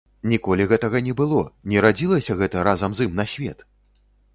Ніколі гэтага не было, не радзілася гэта разам з ім на свет!